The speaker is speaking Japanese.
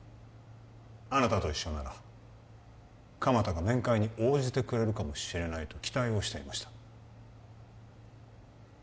あなたと一緒なら鎌田が面会に応じてくれるかもしれないと期待をしていました